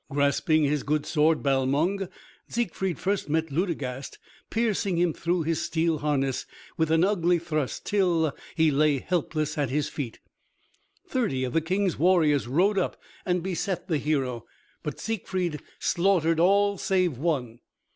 Grasping his good sword Balmung, Siegfried first met Ludegast piercing him through his steel harness with an ugly thrust till he lay helpless at his feet. Thirty of the King's warriors rode up and beset the hero, but Siegfried slaughtered all save one.